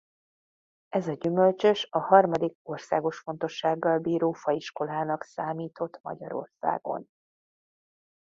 Ez a gyümölcsös a harmadik országos fontossággal bíró faiskolának számított Magyarországon.